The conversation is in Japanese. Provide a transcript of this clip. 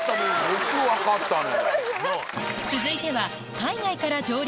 よく分かったね。